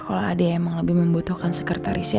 kalau ada yang lebih membutuhkan sekretarisnya